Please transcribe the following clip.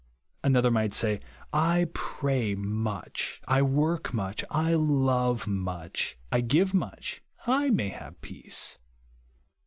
Another might say, I pray much, I work much, I love much, I give much, I may have peace.